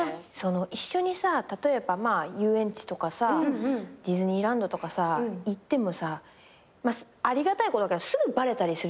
一緒に例えば遊園地とかディズニーランドとか行ってもさありがたいことだけどすぐバレたりするじゃん。